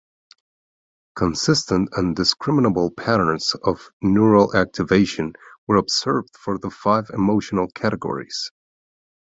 Consistent and discriminable patterns of neural activation were observed for the five emotional categories.